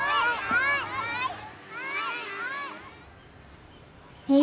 はい！